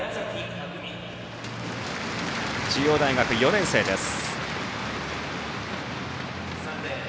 匠、中央大学４年生です。